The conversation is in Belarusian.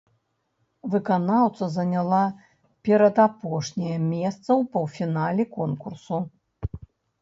Выканаўца заняла перадапошняе месца ў паўфінале конкурсу.